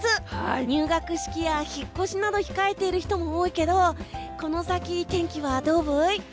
入学式や引っ越しなど控えている人も多いけどこの先、天気はどうブイ？